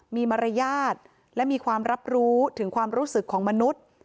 มีมารยาทและมีความรับรู้ถึงความรู้สึกของมนุษย์